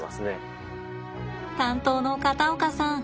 担当の片岡さん